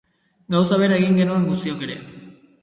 Gauza bera egin genuen guztiok ere.